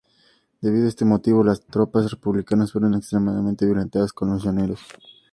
Debido a este motivo las tropas republicanas fueron extremadamente violentas con los llaneros.